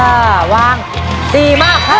เอ่อวางดีมากค่ะ